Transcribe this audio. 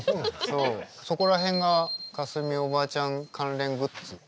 そこら辺が架純おばあちゃん関連グッズ。